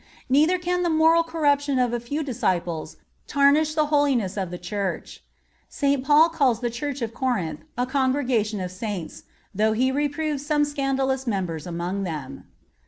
Neither can the moral corruption of a few disciples tarnish the holiness of the Church. St. Paul calls the Church of Corinth a congregation of Saints,(53) though he reproves some scandalous members among them.